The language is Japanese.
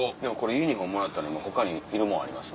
ユニフォームもらったのに他にいるもんあります？